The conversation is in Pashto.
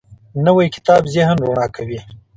نوی کتاب ذهن رڼا کوي